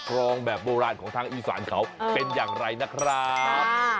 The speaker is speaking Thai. ครองแบบโบราณของทางอีสานเขาเป็นอย่างไรนะครับ